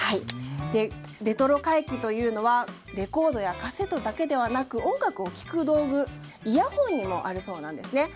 レトロ回帰というのはレコードやカセットだけではなく音楽を聴く道具イヤホンにもあるそうなんです。